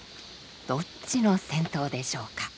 どっちの銭湯でしょうか。